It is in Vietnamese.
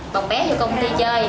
bồng bé vô công ty chơi